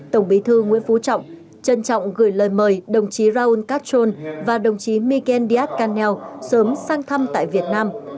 tổng bí thư nguyễn phú trọng trân trọng gửi lời mời đồng chí raúl castro và đồng chí miguel nandiyat khanel sớm sang thăm tại việt nam